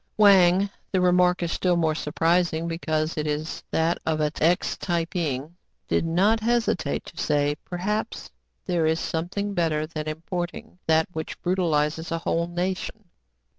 Wang (the remark is still more surprising be cause it is that of an ex Tai ping) did not hesitate to say, "Perhaps there is something better than importing that which brutalizes a whole nation.